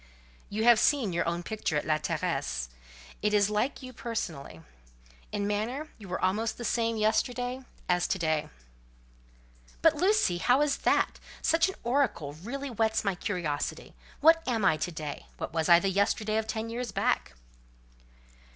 "You have seen your own picture at La Terrasse. It is like you personally. In manner, you were almost the same yesterday as to day." "But, Lucy, how is that? Such an oracle really whets my curiosity. What am I to day? What was I the yesterday of ten years back?"